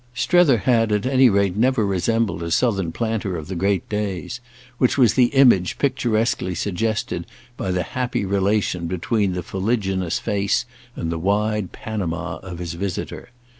Strether had at any rate never resembled a Southern planter of the great days—which was the image picturesquely suggested by the happy relation between the fuliginous face and the wide panama of his visitor.